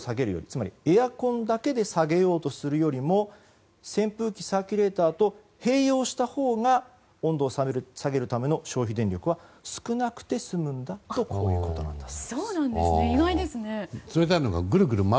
つまりエアコンだけで下げようとするよりも扇風機、サーキュレーターと併用したほうが温度を下げるための消費電力は少なくて済むそうです。